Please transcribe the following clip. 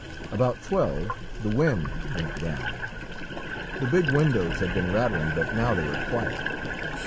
About twelve the wind went down; the big windows had been rattling, but now they were quiet.